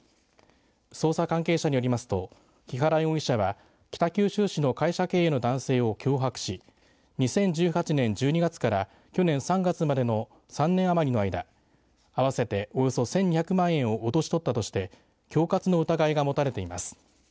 捜査関係者によりますと木原容疑者は北九州市の会社経営の男性を脅迫し２０１８年１２月から去年３月までの３年余りの間合わせて、およそ１２００万円を脅し取ったとして恐喝の疑いが持たれています。